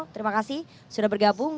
terima kasih sudah bergabung